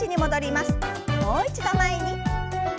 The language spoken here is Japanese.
もう一度前に。